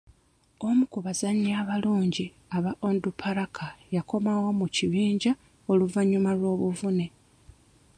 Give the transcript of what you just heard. Omu ku bazannyi abalungi aba Onduparaka yakomawo mu kibinja oluvanyuma lw'obuvune.